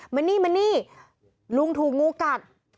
มานี่ลุงถูงงูกัด